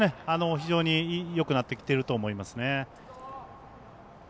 非常によくなってきていると思いますね。